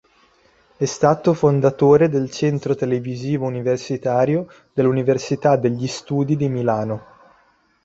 È stato fondatore del Centro Televisivo Universitario dell'Università degli Studi di Milano.